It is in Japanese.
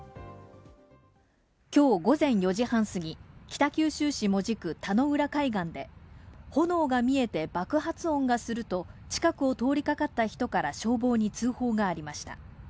今日午前４時半過ぎ、北九州市門司区田野浦海岸で炎が見えて爆発音がすると近くを通りかかった人から消防に通報がありました。